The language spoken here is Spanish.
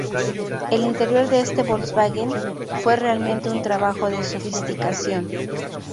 El interior de este Volkswagen fue realmente un trabajo de sofisticación.